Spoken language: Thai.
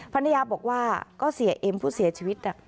ภรรยาบอกว่าก็เสียเอ็มผู้เสียชีวิต